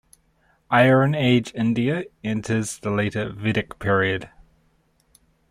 Iron Age India enters the later Vedic period.